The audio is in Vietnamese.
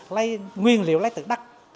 lấy nguyên liệu lấy từ đất